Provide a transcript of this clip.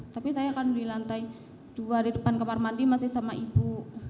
tapi saya kan di lantai dua di depan kamar mandi masih sama ibu